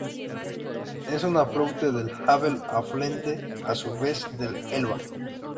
Es un afluente del Havel, afluente a su vez del Elba.